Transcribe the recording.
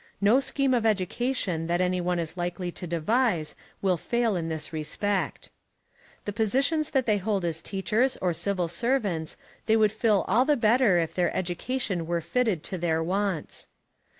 No scheme of education that any one is likely to devise will fail in this respect. The positions that they hold as teachers or civil servants they would fill all the better if their education were fitted to their wants.